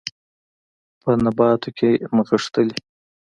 په نباتو کې نغښتلي